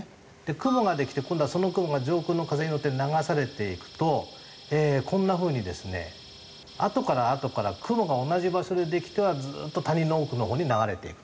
雲ができて今度はその雲が上空の風に乗って流されていくとこんな風にですねあとからあとから雲が同じ場所でできてはずっと谷の奥のほうに流れていく。